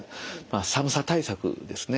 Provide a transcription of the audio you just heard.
寒さ対策ですね。